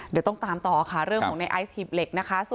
เดี๋ยวต้องตามต่อค่ะเรื่องของในไอซ์หีบเหล็กนะคะ